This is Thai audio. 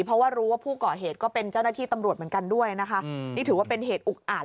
เพราะว่ารู้ว่าผู้ก่อเหตุก็เป็นเจ้าหน้าที่ตำรวจเหมือนกันด้วยนะคะนี่ถือว่าเป็นเหตุอุกอาจ